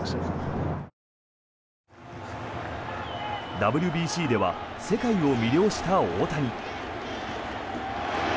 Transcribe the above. ＷＢＣでは世界を魅了した大谷。